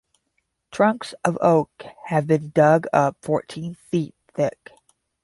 Trunks of oak have been dug up fourteen feet thick.